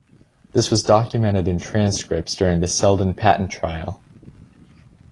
This was documented in transcripts during the Selden Patent trial.